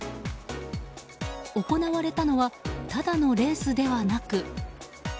行われたのはただのレースではなく。